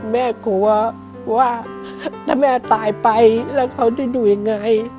แม่กลัวว่าถ้าแม่ตายไปแล้วเขาจะอยู่ยังไง